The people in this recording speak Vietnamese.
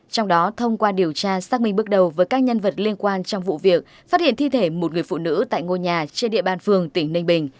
trong đó thông qua điều tra xác minh bước đầu với các nhân vật liên quan trong vụ việc phát hiện thi thể một người phụ nữ tại ngôi nhà trên địa bàn phường tỉnh ninh bình